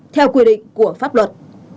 theo quy định của pháp luật